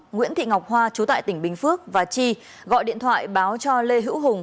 nguyễn thị ngọc hoa trú tại tỉnh bình phước và tri gọi điện thoại báo cho lê hữu hùng